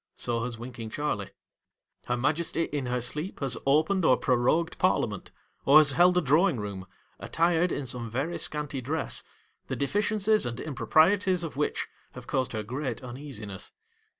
So has Winking Charley. Her Majesty in her sleep has opened or prorogued Parliament, or has held a Drawing Eoom, attired in some very scanty dress, the deficiencies and improprieties of which have caused her great uneasiness.